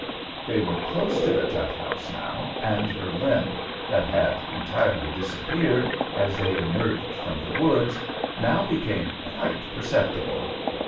They were close to the Tutt House now, and her limp, that had entirely disappeared as they emerged from the woods, now became quite perceptible.